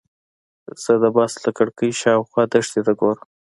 زه د بس له کړکۍ شاوخوا دښتې ته ګورم.